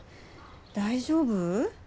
大丈夫？